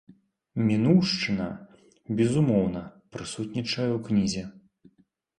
Мінуўшчына, безумоўна, прысутнічае ў кнізе.